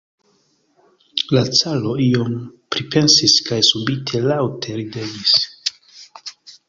La caro iom pripensis kaj subite laŭte ridegis.